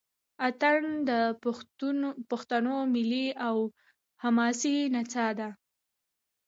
اټن د پښتنو ملي او حماسي نڅا ده.